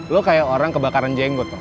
lo kayak orang kebakaran jenggot